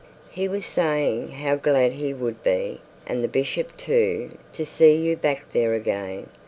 'He was saying how glad he would be, and the bishop too, to see you back there again.